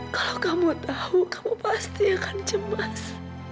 kalau kamu tahu kamu pasti akan cemas